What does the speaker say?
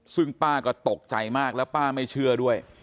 ซึ่งป้าก็ตกใจมากแล้วป้าไม่เชื่อด้วย